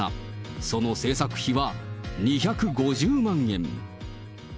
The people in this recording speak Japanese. その製作費は２５０万円。